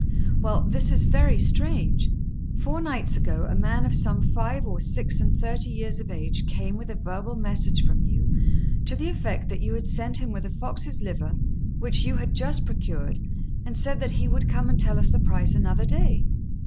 "Well, this is very strange. Four nights ago, a man of some five or six and thirty years of age came with a verbal message from you, to the effect that you had sent him with a fox's liver, which you had just procured, and said that he would come and tell us the price another day.